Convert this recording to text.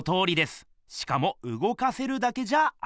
しかもうごかせるだけじゃありません。